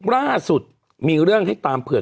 ล่าสุดมีเรื่องให้ตามเผือก